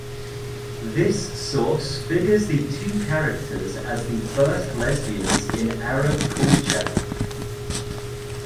This source figures the two characters as the first lesbians in Arab culture.